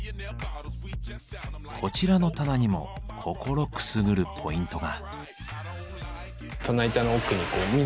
こちらの棚にも心くすぐるポイントが。